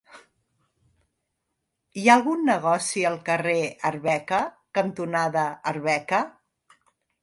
Hi ha algun negoci al carrer Arbeca cantonada Arbeca?